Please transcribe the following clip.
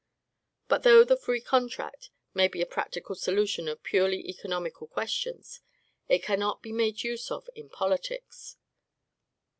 But though the free contract may be a practical solution of purely economical questions, it cannot be made use of in politics.